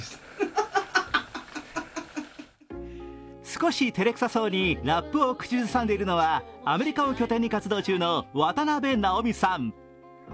少し照れくさそうにラップを口ずさんでいるのはアメリカを拠点に活動中の渡辺直美さん。